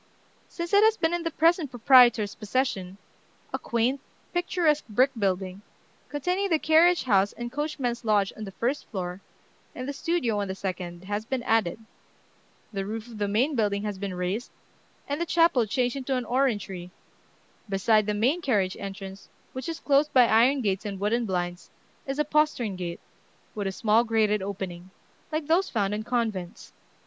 Since it has been in the present proprietor's possession, a quaint, picturesque brick building, containing the carriage house and coachman's lodge on the first floor, and the studio on the second, has been added; the roof of the main building has been raised, and the chapel changed into an orangery: beside the main carriage entrance, which is closed by iron gates and wooden blinds, is a postern gate, with a small grated opening, like those found in convents.